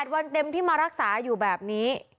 วันเต็มที่มารักษาอยู่แบบนี้